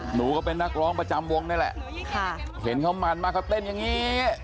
หนูก็เป็นนักร้องประจำวงนี่แหละเห็นเขามันมากเขาเต้นอย่างนี้